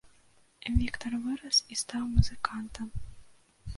Віктар вырас і стаў музыкантам.